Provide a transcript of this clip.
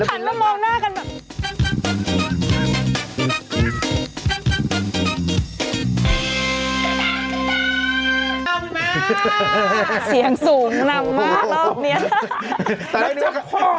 พูดอีกแล้วเหรอครับ